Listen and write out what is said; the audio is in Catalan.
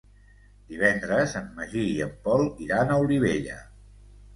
Divendres en Magí i en Pol iran a Olivella.